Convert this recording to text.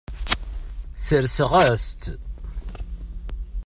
Sseṛɣeɣ-as-tt.